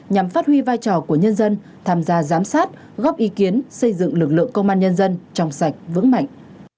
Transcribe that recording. nhằm phát huy vai trò của nhân dân tham gia giám sát góp ý kiến xây dựng lực lượng công an nhân dân trong sạch vững mạnh